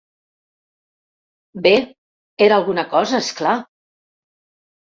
Bé, era alguna cosa, és clar.